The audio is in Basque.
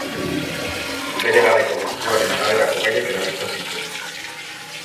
Bere garaiko gustuaren araberako gaiak erabiltzen zituen.